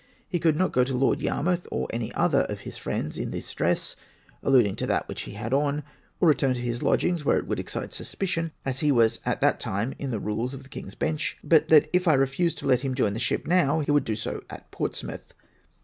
He could not go to Lord Yarmouth or to any other of his friends in this dress (alluding to that which he had on), or return to his lodgings, where it would excite suspicion (as he was at that time in the rules of the King's Bench), but that if I refused to let him join the ship now, he would do so at Portsmouth.